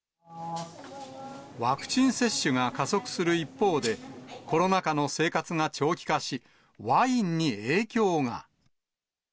ワクチン接種が加速する一方で、コロナ禍の生活が長期化し、ワインに影響が。